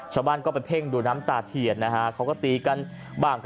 ชาวบ้านก็ไปเพ่งดูน้ำตาเทียนนะฮะเขาก็ตีกันบ้าง